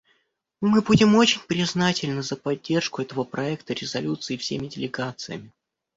Мы будем очень признательны за поддержку этого проекта резолюции всеми делегациями.